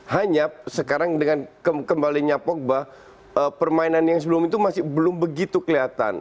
hanya sekarang dengan kembalinya pogba permainan yang sebelum itu masih belum begitu kelihatan